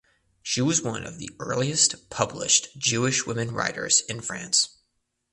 She was one of the earliest published Jewish women writers in France.